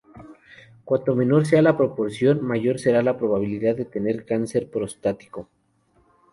Cuanto menor sea la proporción, mayor será la probabilidad de tener cáncer prostático.